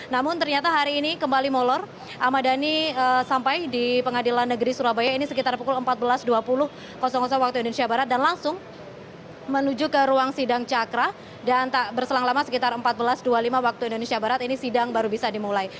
namun ternyata hari ini kembali molor ahmad dhani sampai di pengadilan negeri surabaya ini sekitar pukul empat belas dua puluh waktu indonesia barat dan langsung menuju ke ruang sidang cakra dan tak berselang lama sekitar empat belas dua puluh lima waktu indonesia barat ini sidang baru bisa dimulai